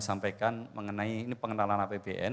sampaikan mengenai ini pengenalan apbn